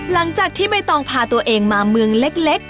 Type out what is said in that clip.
หลังจากที่ใบตองพาตัวเองมาเมืองเล็ก